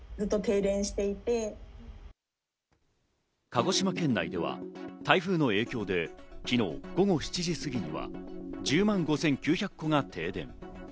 鹿児島県内では台風の影響で昨日午後７時過ぎには１０万５９００戸が停電。